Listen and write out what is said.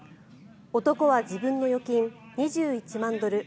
男は自分の預金、２１万ドル